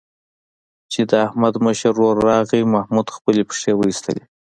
چې د احمد مشر ورور راغی، محمود خپلې پښې وایستلې.